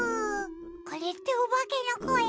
これっておばけのこえ？